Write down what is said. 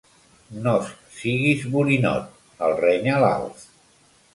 Nos siguis borinot —el renya l'Alf.